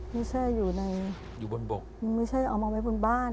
ไม่ใช่อยู่ในอยู่บนบกไม่ใช่เอามาไว้บนบ้าน